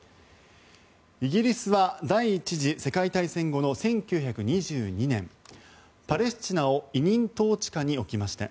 イギリスは第１次世界大戦後の１９２２年パレスチナを委任統治下に置きました。